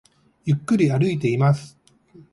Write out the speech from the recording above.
ゆっくり歩いています